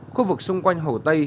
khu vực xung quanh hồ tây